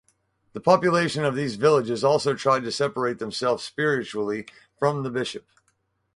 The population of these villages also tried to separate themselves spiritually from the bishop.